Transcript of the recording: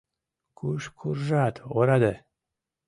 — Куш куржат, ораде?